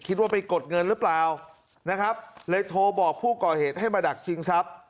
คิดว่าไปกดเงินหรือเปล่านะครับเลยโทรบอกผู้ก่อเหตุให้มาดักชิงทรัพย์